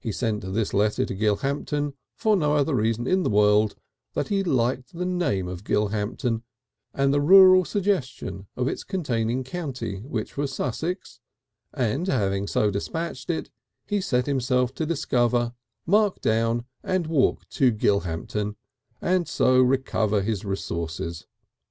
He sent this letter to Gilhampton for no other reason in the world than that he liked the name of Gilhampton and the rural suggestion of its containing county, which was Sussex, and having so despatched it, he set himself to discover, mark down and walk to Gilhampton, and so recover his resources.